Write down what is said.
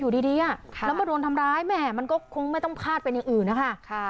อยู่ดีแล้วมาโดนทำร้ายแม่มันก็คงไม่ต้องพาดเป็นอย่างอื่นนะคะ